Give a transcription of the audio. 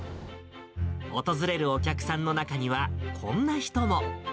訪れるお客さんの中には、こんな人も。